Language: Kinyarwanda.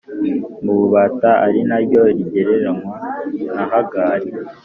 mu bubata ari na ryo rigereranywa na Hagari